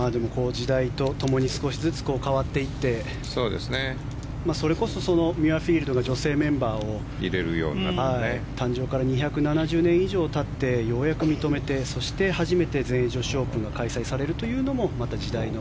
時代とともに変わっていってそれこそミュアフィールドが女性メンバーを誕生から２７０年以上たってようやく認めてそして初めて全英女子オープンが開催されるというのもまた時代の。